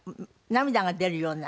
涙が出るような。